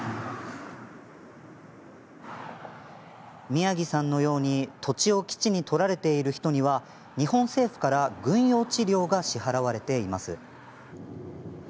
宮城さんのように土地を基地に取られている人には日本政府から軍用地料が支払われています。